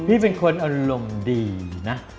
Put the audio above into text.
พี่เป็นคนอารมณ์ดีนะ